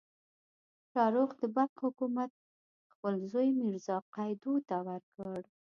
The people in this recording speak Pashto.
شاهرخ د بلخ حکومت خپل زوی میرزا قیدو ته ورکړ.